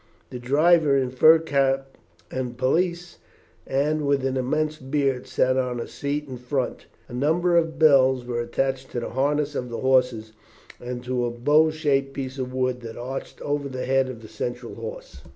The driver, in fur cap and pelisse, and with an immense beard, sat on a seat in front. A number of bells were attached to the harness of the horses, and to a bow shaped piece of wood that arched over the head of the central horse.